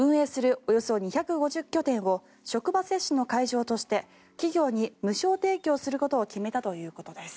およそ２５０拠点を職場接種の会場として企業に無償提供することを決めたということです。